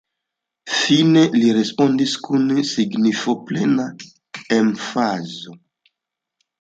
Fine li respondis kun signifoplena emfazo: